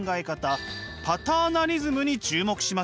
パターナリズムに注目しました。